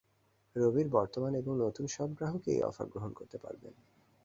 রবির বর্তমান ও নতুন সব গ্রাহকই এই অফার গ্রহণ করতে পারবেন।